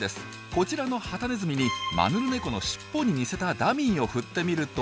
こちらのハタネズミにマヌルネコのしっぽに似せたダミーを振ってみると。